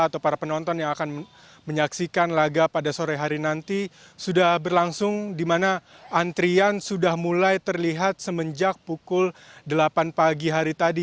atau para penonton yang akan menyaksikan laga pada sore hari nanti sudah berlangsung di mana antrian sudah mulai terlihat semenjak pukul delapan pagi hari tadi